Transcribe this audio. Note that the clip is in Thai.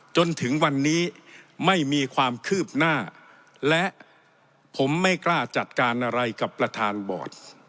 จนถึงวันนี้ไม่มีความคืบหน้าและผมไม่กล้าจัดการอะไรกับประธานบอร์ด